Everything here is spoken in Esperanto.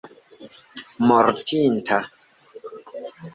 mortinta